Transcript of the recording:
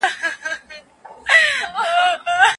د هيواد په کچه د محصولاتو زياتوالى ډېر اړين دی.